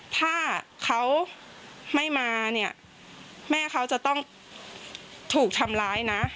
ถ้าเขาไม่มาเนี่ยแม่เขาจะต้องถูกทำร้ายนะ